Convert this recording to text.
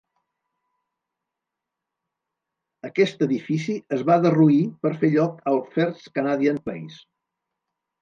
Aquest edifici es va derruir per fer lloc al First Canadian Place.